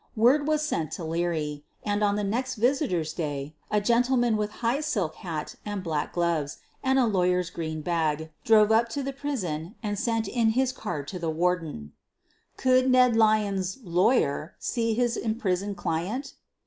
Word was sent to Leary and, on the next "visitors 1 66 SOPHIE LYONS day," a gentleman with high silk hat and black gloves and a lawyer's green bag drove up to the prison and sent in his card to the Warden — could Ned Lyons 's "lawyer" see his imprisoned client?